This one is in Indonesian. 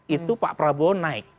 itu pak prabowo naik